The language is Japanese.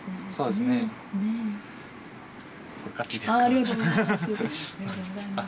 ありがとうございます。